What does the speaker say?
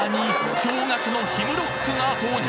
驚愕のヒムロックが登場